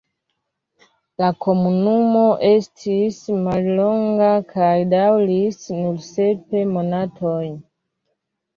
La komunumo estis mallonga kaj daŭris nur sep monatojn.